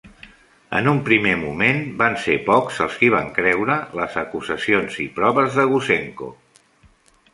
En un primer moment van ser pocs els qui van creure les acusacions i proves de Gouzenko.